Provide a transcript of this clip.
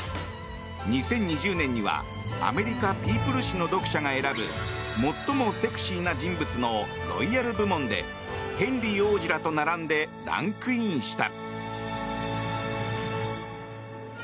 ２０２０年にはアメリカ「ピープル」誌の読者が選ぶ最もセクシーな人物のロイヤル部門でヘンリー王子らと並んでランクインした。